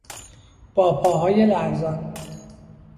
با پاهای لرزان